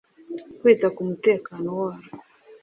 kwita ku mutekano warwo